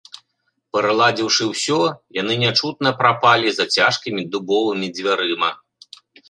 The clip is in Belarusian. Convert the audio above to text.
Прыладзіўшы ўсё, яны нячутна прапалі за цяжкімі дубовымі дзвярыма.